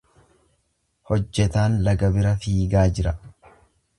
Hojjetaan laga bira fiigaa jira.